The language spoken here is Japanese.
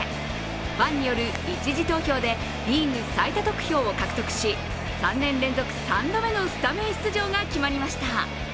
ファンによる一次投票でリーグ最多得票を獲得し３年連続３度目のスタメン出場が決まりました。